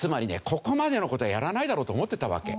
ここまでの事はやらないだろうと思ってたわけ。